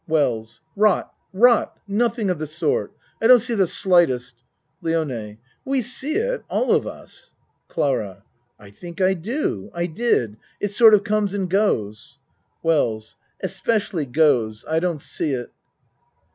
WELLS Rot rot ! Nothing of the sort. I don't see the slightest LIONE We see it. All of us. CLARA I think I do I did. It sort of comes and goes. WELLS Especially goes. I don't see it.